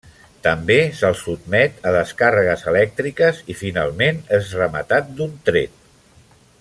També se'l sotmet a descàrregues elèctriques i finalment és rematat d'un tret.